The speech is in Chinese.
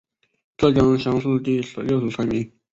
浙江乡试第六十三名。